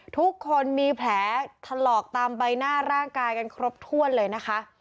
ทุกคนมีแผลถลอกตามใบหน้าร่างกายกันครบถ้วนเลยนะคะ